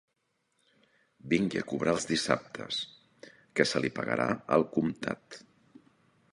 Vingui a cobrar els dissabtes, que se li pagarà al comptat